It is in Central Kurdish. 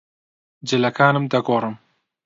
جلەکانم دەگۆڕم.